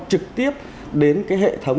trực tiếp đến cái hệ thống